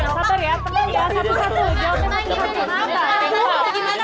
sabar ya tenang ya